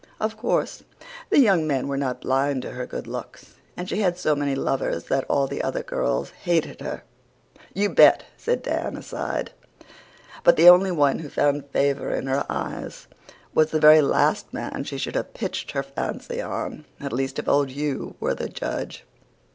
"Of course, the young men were not blind to her good looks, and she had so many lovers that all the other girls hated her " "You bet!" said Dan, aside "But the only one who found favour in her eyes was the very last man she should have pitched her fancy on, at least if old Hugh were the judge.